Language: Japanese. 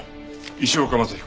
石岡政彦。